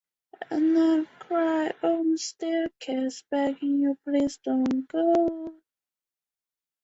第五子为尹继善。